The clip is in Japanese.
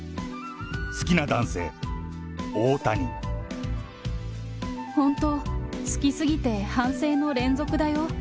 好きな男性、本当、好き過ぎて反省の連続だよ。